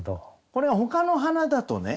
これがほかの花だとね